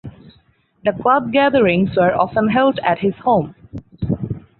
The club gatherings were often held at his home.